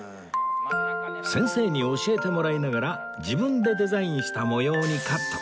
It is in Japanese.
先生に教えてもらいながら自分でデザインした模様にカット